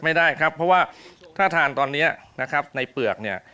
ไม่ได้ครับเพราะว่าถ้าทานตอนนี้นะครับในเปลือกเนี่ย